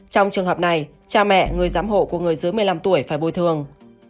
trong trường hợp này cha mẹ người giám hộ của người dưới một mươi năm tuổi phải bồi thường